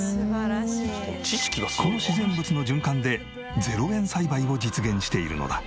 この自然物の循環で０円栽培を実現しているのだ。